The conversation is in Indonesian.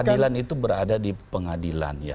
keadilan itu berada di pengadilan